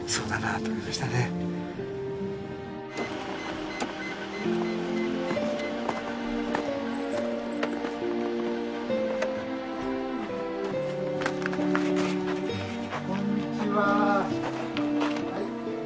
はいこんにちは。